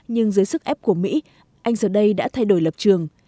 nhưng dưới sức ép của mỹ anh giờ đây đã thay đổi lập trường